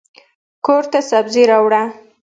کورته سبزي راوړه.